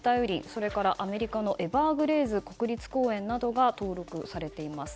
それからアメリカのエバーグレーズ国立公園などが登録されています。